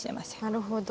なるほど。